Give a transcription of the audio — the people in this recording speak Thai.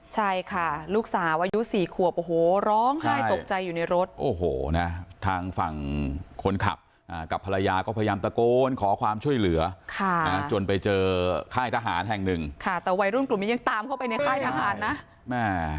ใช่ค่ะลูกสาวอายุสี่ขวบโอ้โหร้องไห้ตกใจอยู่ในรถโอ้โหนะทางฝั่งคนขับกับภรรยาก็พยายามตะโกนขอความช่วยเหลือค่ะนะจนไปเจอค่ายทหารแห่งหนึ่งค่ะแต่วัยรุ่นกลุ่มนี้ยังตามเข้าไปในค่ายทหารนะแม่